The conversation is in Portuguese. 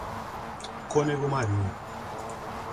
Cônego Marinho